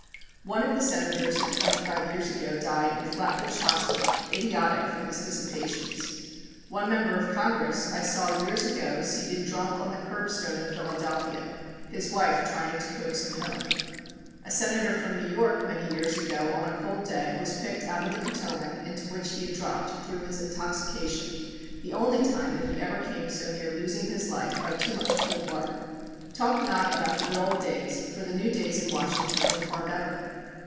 One of the Senators of twenty five years ago died in Flatbush Hospital, idiotic from his dissipations. One member of Congress I saw years ago seated drunk on the curbstone in Philadelphia, his wife trying to coax him home. A Senator from New York many years ago on a cold day was picked out of the Potomac, into which he had dropped through his intoxication, the only time that he ever came so near losing his life by too much cold water. Talk not about the good old days, for the new days in Washington were far better.